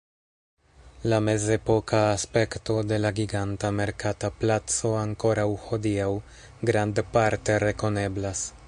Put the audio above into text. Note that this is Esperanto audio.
La mezepoka aspekto de la giganta merkata placo ankoraŭ hodiaŭ grandparte rekoneblas.